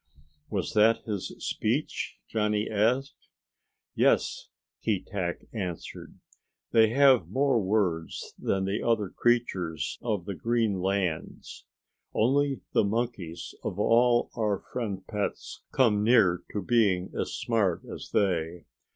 "Was that his speech?" Johnny asked. "Yes," Keetack answered. "They have more words than the other creatures of the green lands. Only the monkeys of all our friend pets come near to being as smart as they.